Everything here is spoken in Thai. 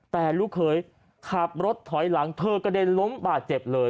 แต่ลูกเขยขับรถถอยหลังเธอกระเด็นล้มบาดเจ็บเลย